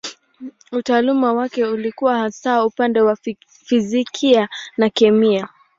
Utaalamu wake ulikuwa hasa upande wa fizikia na kemia.